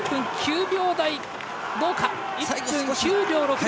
１分９秒６０